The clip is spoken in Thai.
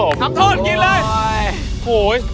ทำโทษกินเลย